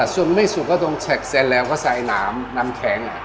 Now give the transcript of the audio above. ส่วนไม่สุกก็ต้องแท็กเสร็จแล้วก็ใส่น้ำน้ำแข็ง